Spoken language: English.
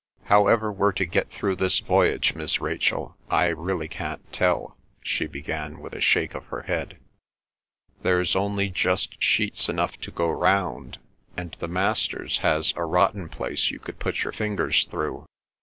"How ever we're to get through this voyage, Miss Rachel, I really can't tell," she began with a shake of her head. "There's only just sheets enough to go round, and the master's has a rotten place you could put your fingers through.